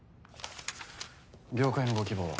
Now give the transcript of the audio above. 業界のご希望は？